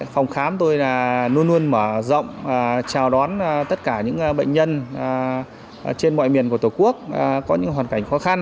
phòng khám tôi luôn luôn mở rộng chào đón tất cả những bệnh nhân trên mọi miền của tổ quốc có những hoàn cảnh khó khăn